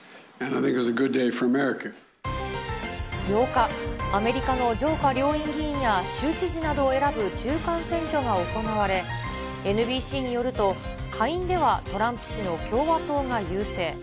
８日、アメリカの上下両院議員や州知事などを選ぶ中間選挙が行われ、ＮＢＣによると、下院ではトランプ氏の共和党が優勢。